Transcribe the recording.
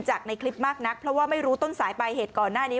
ในคลิปมากนักเพราะว่าไม่รู้ต้นสายปลายเหตุก่อนหน้านี้